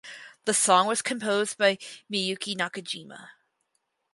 The song was composed by Miyuki Nakajima.